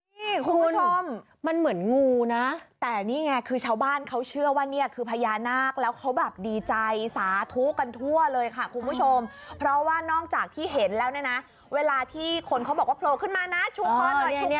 นี่คุณผู้ชมมันเหมือนงูนะแต่นี่ไงคือชาวบ้านเขาเชื่อว่าเนี่ยคือพญานาคแล้วเขาแบบดีใจสาธุกันทั่วเลยค่ะคุณผู้ชมเพราะว่านอกจากที่เห็นแล้วเนี่ยนะเวลาที่คนเขาบอกว่าโผล่ขึ้นมานะชูคอหน่อยทีนี้